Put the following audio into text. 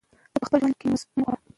زه په خپل ژوند کې مثبت بدلون غواړم.